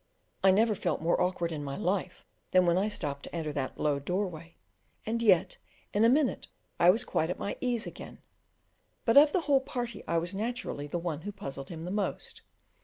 I never felt more awkward in my life than when I stooped to enter that low doorway, and yet in a minute I was quite at my ease again; but of the whole party I was naturally the one who puzzled him the most.